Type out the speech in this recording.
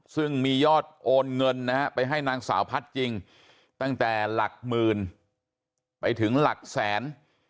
ซึ่งมียอดโอนเงินนะฮะไปให้นางสาวพัฒน์จริงตั้งแต่หลักหมื่นไปถึงหลักแสน